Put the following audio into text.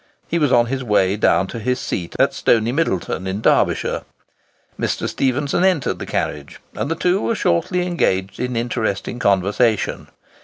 He was on his way down to his seat at Stony Middleton, in Derbyshire. Mr. Stephenson entered the carriage, and the two were shortly engaged in interesting conversation.